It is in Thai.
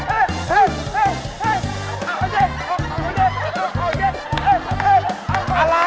พี่ไม่เชื่อแล้ว